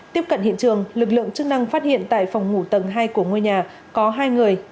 tiếp cận hiện trường lực lượng chức năng phát hiện tại phòng ngủ tầng hai của ngôi nhà có hai người